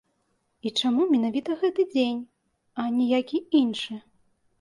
І чаму менавіта гэты дзень, а не які іншы?